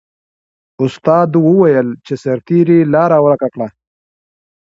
استاد وویل چې سرتیري لاره ورکه کړه.